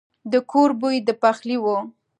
د کور بوی د پخلي وو.